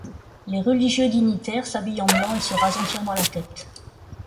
Les religieux dignitaires s'habillent en blanc et se rasent entièrement la tête.